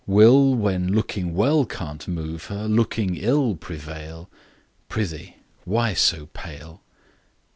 Will, when looking well can't move her, Looking ill prevail ? Prithee, why so pale